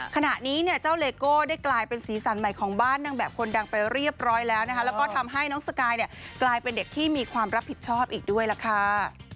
ขณะนี้เนี่ยเจ้าเลโก้ได้กลายเป็นสีสันใหม่ของบ้านนางแบบคนดังไปเรียบร้อยแล้วนะคะแล้วก็ทำให้น้องสกายเนี่ยกลายเป็นเด็กที่มีความรับผิดชอบอีกด้วยล่ะค่ะ